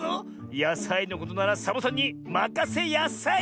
やさいのことならサボさんにまかせやさい！